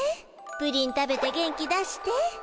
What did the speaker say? プリン食べて元気出して。